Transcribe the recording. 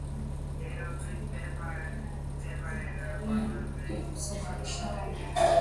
Epuka kutumia pamoja na wenzako magari ya kusafirishia wanyama